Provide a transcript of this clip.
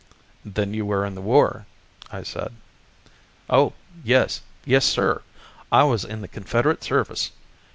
"Then you were in the war?" I said. "Oh, yes, yes, sir! I was in the Confederate service.